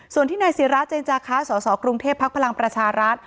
ส่วนที่นายศิราเจนจาคะสสกรุงเทพภักดิ์พลังประชารัฐ